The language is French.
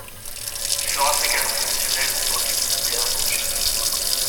Il fera sa carrière professionnelle en tant que militaire, dans le génie.